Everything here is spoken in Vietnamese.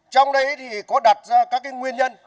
trong đấy thì có đặt ra các cái nguyên nhân